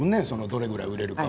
どれくらい売れるか。